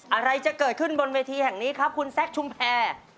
อะไรจะเกิดขึ้นบนเวทีแห่งนี้ครับคุณแซคชุมแพร